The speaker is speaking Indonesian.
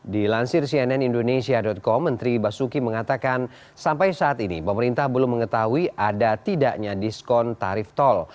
dilansir cnn indonesia com menteri basuki mengatakan sampai saat ini pemerintah belum mengetahui ada tidaknya diskon tarif tol